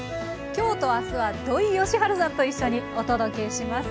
今日と明日は土井善晴さんと一緒にお届けします。